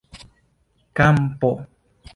kampo